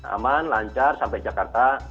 aman lancar sampai jakarta